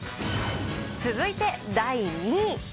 続いて第２位。